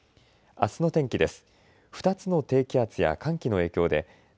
あすの天気です。